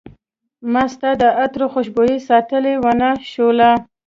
ما ستا د عطرو خوشبوي ساتلی ونه شوله